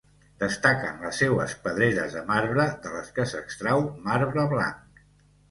Destaquen les seues pedreres de marbre de les que s'extrau marbre blanc.